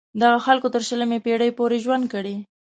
دغو خلکو تر شلمې پیړۍ پورې ژوند کړی.